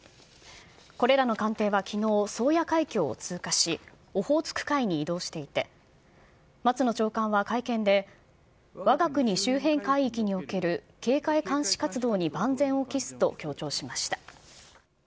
これらの艦艇はきのう、宗谷海峡を通過し、オホーツク海に移動していて、松野長官は会見で、わが国周辺海域における警戒監視活動に万全を期すと強調しました。